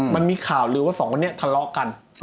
มันมีข่าวลือว่าสองคนนี้ทะเลาะกัน